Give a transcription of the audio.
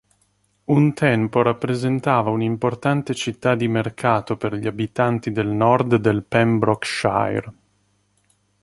Un tempo rappresentava un'importante città di mercato per gli abitanti del nord del Pembrokeshire.